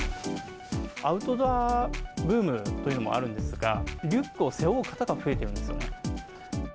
アウトドアブームというのもあるんですが、リュックを背負う方が増えてるんですよね。